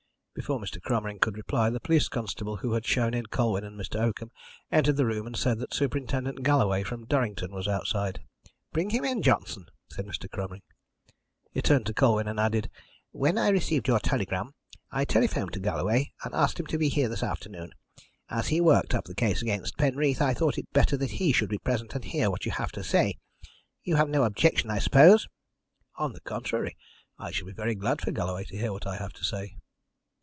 Before Mr. Cromering could reply, the police constable who had shown in Colwyn and Mr. Oakham entered the room and said that Superintendent Galloway, from Durrington, was outside. "Bring him in, Johnson," said Mr. Cromering. He turned to Colwyn and added: "When I received your telegram I telephoned to Galloway and asked him to be here this afternoon. As he worked up the case against Penreath, I thought it better that he should be present and hear what you have to say. You have no objection, I suppose?" "On the contrary, I shall be very glad for Galloway to hear what I have to say."